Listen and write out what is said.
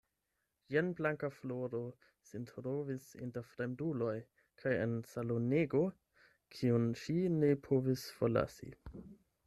Jen Blankafloro sin trovis inter fremduloj kaj en salonego, kiun ŝi ne povis forlasi.